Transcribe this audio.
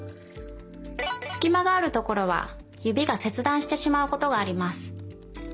すきまがあるところはゆびがせつだんしてしまうことがあります。